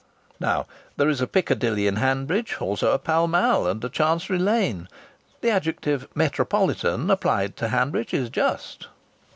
Now there is a Piccadilly in Hanbridge; also a Pall Mall and a Chancery Lane. The adjective "metropolitan," applied to Hanbridge, is just.